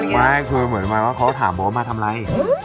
ไม่คือเหมือนหมายว่าเขาถามบอกว่ามาทำอะไร